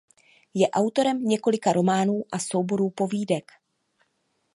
Je autorem několika románů a souborů povídek.